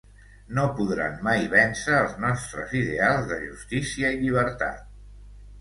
No podran mai vèncer els nostres ideals de justícia i llibertat.